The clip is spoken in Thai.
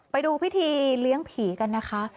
ไปดูพิธีเลี้ยงผีกันนะคะ